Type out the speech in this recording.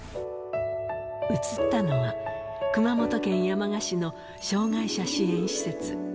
移ったのは、熊本県山鹿市の障がい者支援施設。